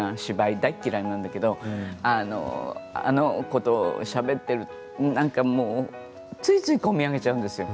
大嫌いなんだけどあの子としゃべっているとついつい込み上げちゃうんですよ。